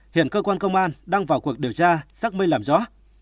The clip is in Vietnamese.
hiện cơ quan công an đang vào cuộc điều tra xác minh làm rõ